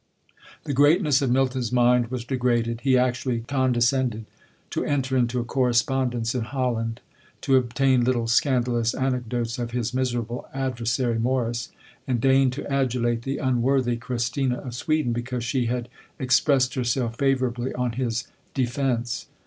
The greatness of Milton's mind was degraded! He actually condescended to enter into a correspondence in Holland, to obtain little scandalous anecdotes of his miserable adversary, Morus; and deigned to adulate the unworthy Christina of Sweden, because she had expressed herself favourably on his "Defence."